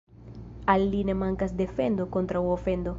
Al li ne mankas defendo kontraŭ ofendo.